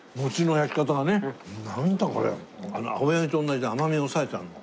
あの青柳と同じで甘み抑えてあるの。